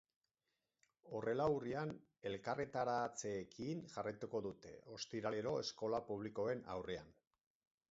Horrela, urrian elkarretaratzeekin jarraituko dute, ostiralero eskola publikoen aurrean.